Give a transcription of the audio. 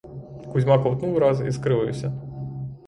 Кузьма ковтнув раз і скривився.